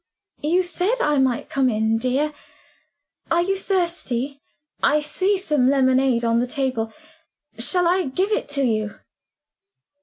"You said I might come in, dear. Are you thirsty? I see some lemonade on the table. Shall I give it to you?"